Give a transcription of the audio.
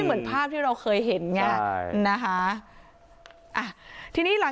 เหมือนพ่อป้า